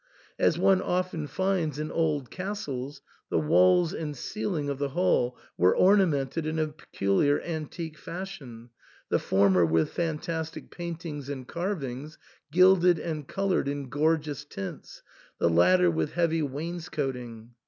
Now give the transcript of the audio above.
As one often finds in old castles, the walls and ceiling of the hall were orna mented in a peculiar antique fashion, the former with fantastic paintings and carvings, gilded and coloured in gorgeous tints, the latter with heavy wainscoting.